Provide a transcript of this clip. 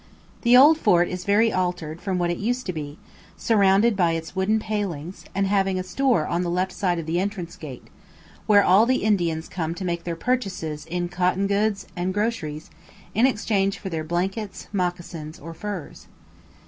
The old fort is very little altered from what it used to be, surrounded by its wooden pailings, and having a store on the left side of the entrance gate, where all the Indians come to make their purchases in cotton goods and groceries in exchange for their blankets, moccassins, or furs.